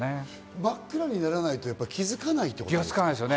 真っ暗にならないと気づかないってことですか？